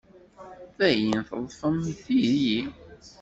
Dayen, teḍḍfemt-iyi.